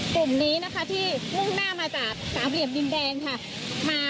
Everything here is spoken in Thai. กลุ่มนี้นะคะที่มุ่งหน้ามาจากสามเหลี่ยมดินแดงค่ะ